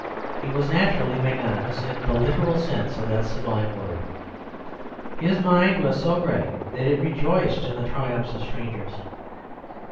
He was naturally magnanimous in the literal sense of that sublime word; his mind was so great that it rejoiced in the triumphs of strangers.